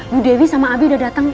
bu dewi sama abi udah datang